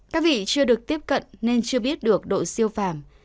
các vị chưa được tiếp cận nên chưa biết được độ siêu phạm